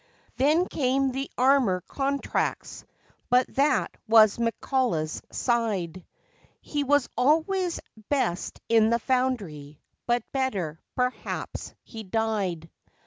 Then came the armour contracts, but that was McCullough's side; He was always best in the Foundry, but better, perhaps, he died.